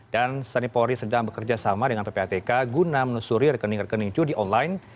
dan sani polri sedang bekerja sama dengan ppatk guna menusuri rekening rekening judi online